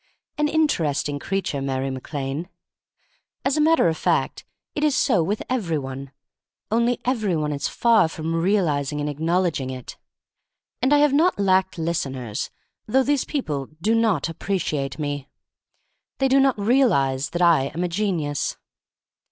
An interesting creature, Mary Mac Lane. As a matter of fact, it is so with every one, only every one is far from realiz ing and acknowledging it. And I have not lacked listeners, though these people do not appreciate me. They do not realize that I am a genius.